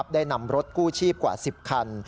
ได้นำรถกู้ชีพกว่า๑๐คัน